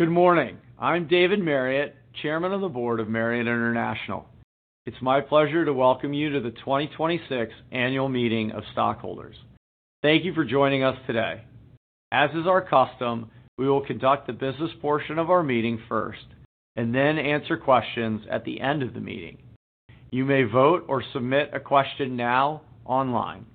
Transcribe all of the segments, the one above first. Good morning. I'm David Marriott, Chairman of the Board of Marriott International. It's my pleasure to welcome you to the 2026 Annual Meeting of Stockholders. Thank you for joining us today. As is our custom, we will conduct the business portion of our meeting first, and then answer questions at the end of the meeting. You may vote or submit a question now online.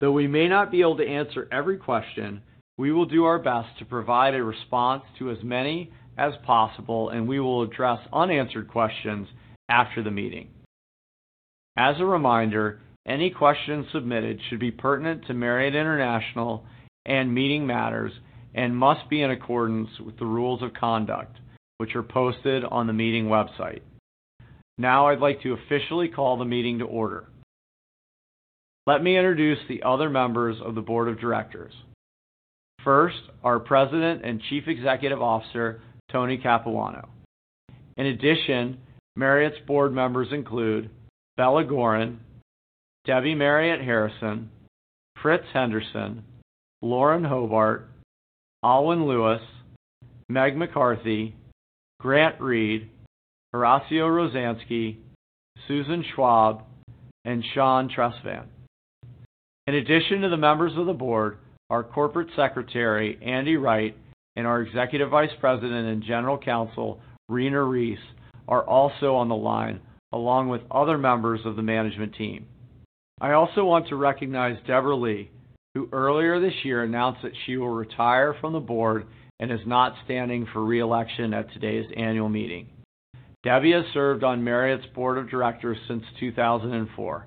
Though we may not be able to answer every question, we will do our best to provide a response to as many as possible, and we will address unanswered questions after the meeting. As a reminder, any questions submitted should be pertinent to Marriott International and meeting matters and must be in accordance with the rules of conduct, which are posted on the meeting website. Now I'd like to officially call the meeting to order. Let me introduce the other members of the Board of Directors. First, our President and Chief Executive Officer, Tony Capuano. In addition, Marriott's Board members include Bella Goren, Debbie Marriott Harrison, Fred Henderson, Lauren Hobart, Aylwin Lewis, Meg McCarthy, Grant Reid, Horacio Rozanski, Susan Schwab, and Sean Tresvant. In addition to the members of the Board, our Corporate Secretary, Andy Wright, and our Executive Vice President and General Counsel, Rena Reiss, are also on the line, along with other members of the management team. I also want to recognize Debra Lee, who earlier this year announced that she will retire from the Board and is not standing for re-election at today's annual meeting. Debbie has served on Marriott's Board of Directors since 2004.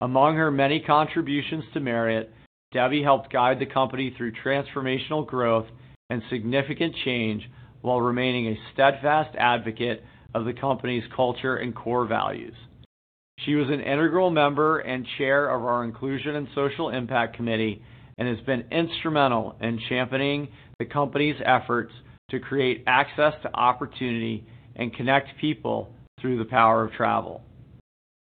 Among her many contributions to Marriott, Debbie helped guide the company through transformational growth and significant change while remaining a steadfast advocate of the company's culture and core values. She was an integral member and chair of our Inclusion and Social Impact Committee and has been instrumental in championing the company's efforts to create access to opportunity and connect people through the power of travel.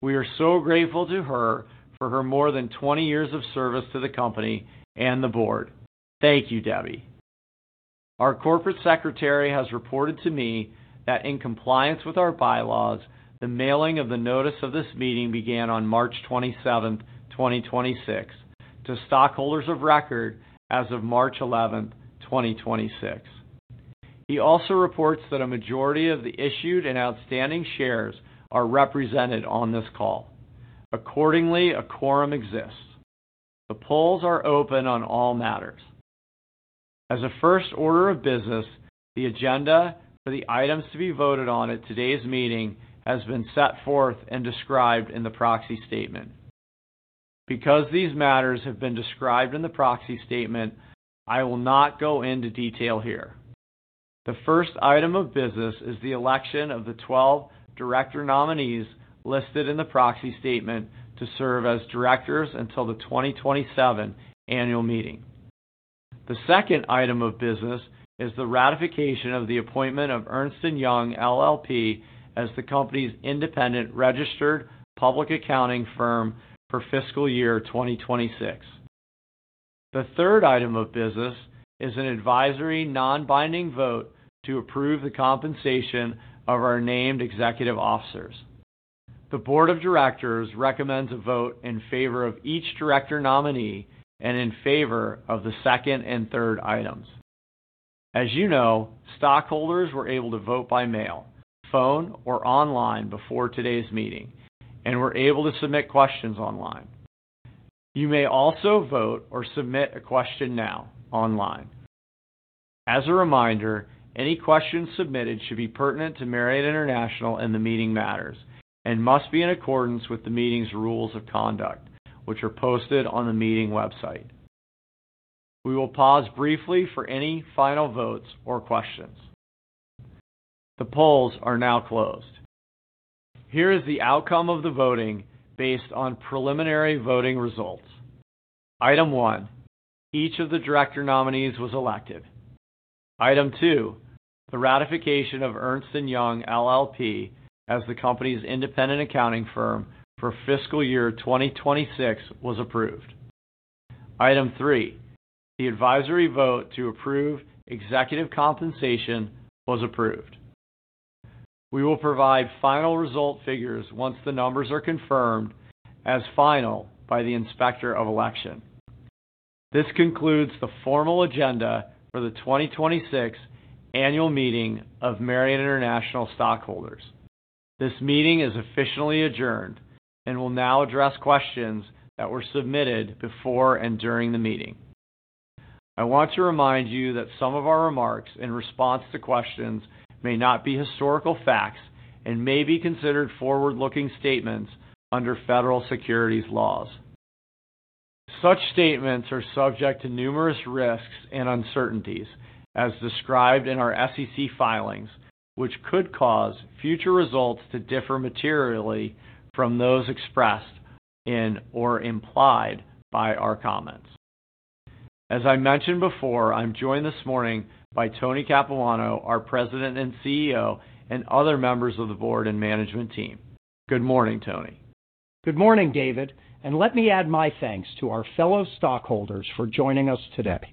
We are so grateful to her for her more than 20 years of service to the company and the board. Thank you, Debbie. Our corporate secretary has reported to me that in compliance with our bylaws, the mailing of the notice of this meeting began on March 27, 2026, to stockholders of record as of March 11, 2026. He also reports that a majority of the issued and outstanding shares are represented on this call. Accordingly, a quorum exists. The polls are open on all matters. As a first order of business, the agenda for the items to be voted on at today's meeting has been set forth and described in the proxy statement. Because these matters have been described in the proxy statement, I will not go into detail here. The first item of business is the election of the 12 director nominees listed in the proxy statement to serve as directors until the 2027 Annual Meeting. The second item of business is the ratification of the appointment of Ernst & Young LLP as the company's independent registered public accounting firm for fiscal year 2026. The third item of business is an advisory non-binding vote to approve the compensation of our named executive officers. The Board of Directors recommends a vote in favor of each director nominee and in favor of the second and third items. As you know, stockholders were able to vote by mail, phone or online before today's meeting and were able to submit questions online. You may also vote or submit a question now online. As a reminder, any questions submitted should be pertinent to Marriott International and the meeting matters and must be in accordance with the meeting's rules of conduct, which are posted on the meeting website. We will pause briefly for any final votes or questions. The polls are now closed. Here is the outcome of the voting based on preliminary voting results. Item one, each of the director nominees was elected. Item two, the ratification of Ernst & Young LLP as the company's independent accounting firm for fiscal year 2026 was approved. Item three, the advisory vote to approve executive compensation was approved. We will provide final result figures once the numbers are confirmed as final by the Inspector of Election. This concludes the formal agenda for the 2026 Annual Meeting of Marriott International Stockholders. This meeting is officially adjourned and will now address questions that were submitted before and during the meeting. I want to remind you that some of our remarks in response to questions may not be historical facts and may be considered forward-looking statements under federal securities laws. Such statements are subject to numerous risks and uncertainties, as described in our SEC filings, which could cause future results to differ materially from those expressed in or implied by our comments. As I mentioned before, I'm joined this morning by Tony Capuano, our President and CEO, and other members of the board and management team. Good morning, Tony. Good morning, David, let me add my thanks to our fellow stockholders for joining us today.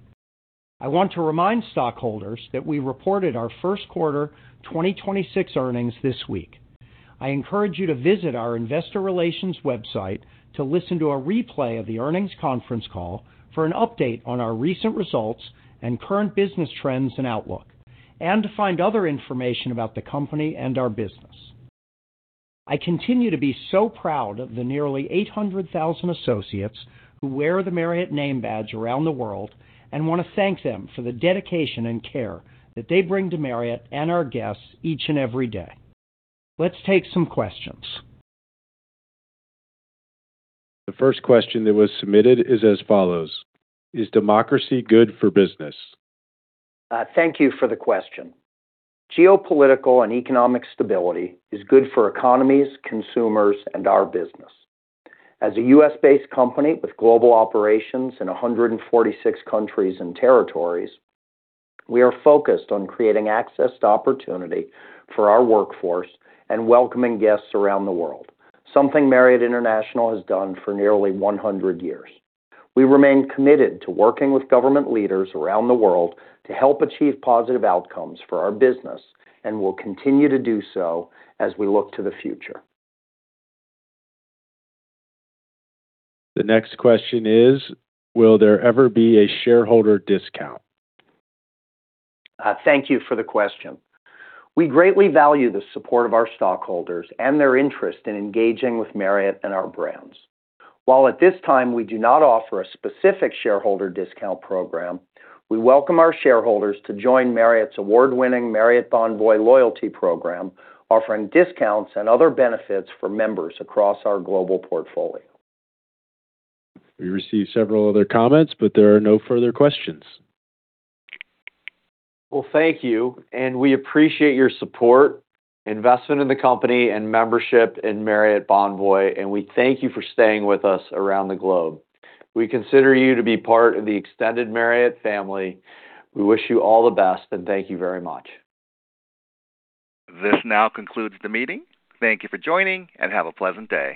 I want to remind stockholders that we reported our first quarter 2026 earnings this week. I encourage you to visit our investor relations website to listen to a replay of the earnings conference call for an update on our recent results and current business trends and outlook and to find other information about the company and our business. I continue to be so proud of the nearly 800,000 associates who wear the Marriott name badge around the world and want to thank them for the dedication and care that they bring to Marriott and our guests each and every day. Let's take some questions. The first question that was submitted is as follows: Is democracy good for business? Thank you for the question. Geopolitical and economic stability is good for economies, consumers, and our business. As a U.S.-based company with global operations in 146 countries and territories, we are focused on creating access to opportunity for our workforce and welcoming guests around the world, something Marriott International has done for nearly 100 years. We remain committed to working with government leaders around the world to help achieve positive outcomes for our business and will continue to do so as we look to the future. The next question is: Will there ever be a shareholder discount? Thank you for the question. We greatly value the support of our stockholders and their interest in engaging with Marriott and our brands. While at this time we do not offer a specific shareholder discount program, we welcome our shareholders to join Marriott's award-winning Marriott Bonvoy loyalty program, offering discounts and other benefits for members across our global portfolio. We received several other comments, but there are no further questions. Thank you, and we appreciate your support, investment in the company, and membership in Marriott Bonvoy, and we thank you for staying with us around the globe. We consider you to be part of the extended Marriott family. We wish you all the best and thank you very much. This now concludes the meeting. Thank you for joining, and have a pleasant day.